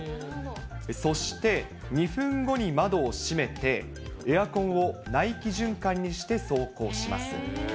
そして２分後に窓を閉めて、エアコンを内気循環にして走行します。